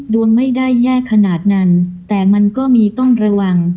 ดวงไม่ได้แย่ขนาดนั้นแต่มันก็มีต้องระวัง